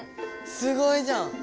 すごいじゃん！